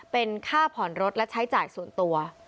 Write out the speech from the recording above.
เป็นค่าผ่อนรถและใช้จ่ายส่วนตัว